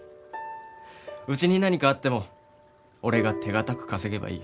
うちに何かあっても俺が手堅く稼げばいい。